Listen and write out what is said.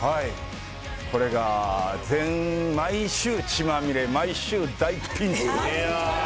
これが全毎週、血まみれ、毎週大ピンチ。